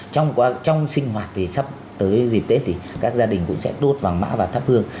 trong sinh hoạt thì sắp tới dịp tết thì các gia đình cũng sẽ đốt vàng mã vào thắp hương